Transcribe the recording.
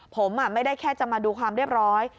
ผมไม่ได้แค่จะมาดูความเรียบร้อย